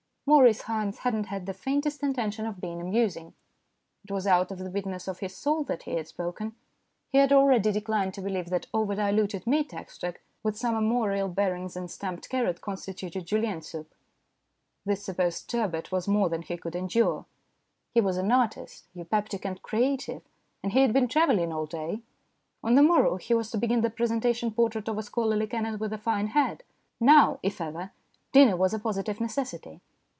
Maurice Haynes had not had the faintest intention of being amusing. It was out of the bitterness of his soul that he had spoken. He had already declined to believe that over diluted meat extract with some armorial bearings in stamped carrot constituted Julienne soup. This supposed turbot was more than he could endure. He was an artist, eupeptic and creative, and he had been travelling all day ; on the morrow he was to begin the presentation portrait of a scholarly canon with a fine head ; now, if ever, dinner was a positive necessity.